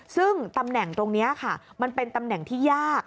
ซึ่งตำแหน่งตรงนี้ค่ะมันเป็นตำแหน่งที่ยาก